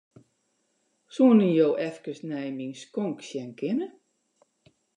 Soenen jo efkes nei myn skonk sjen kinne?